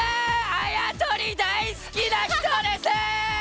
あやとり大好きな人ですー！